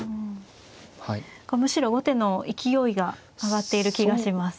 むしろ後手の勢いが上がっている気がします。